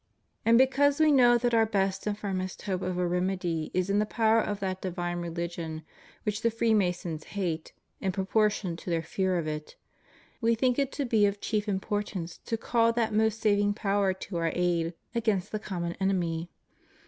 And because We know that Our best and firmest hope of a remedy is in the power of that divine religion which the Freemasons hate in proportion to their fear of it, We think it to be of chief importance to call that most saving power to Our aid against the common enemy.